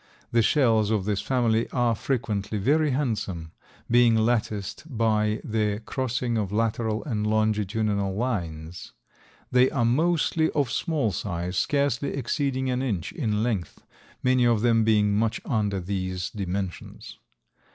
The shells of this family are frequently very handsome, being latticed by the crossing of lateral and longitudinal lines. They are mostly of small size, scarcely exceeding an inch in length, many of them being much under these dimensions.